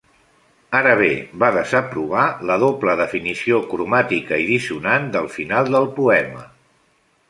Ara bé, va desaprovar la doble definició cromàtica i dissonant del final del poema.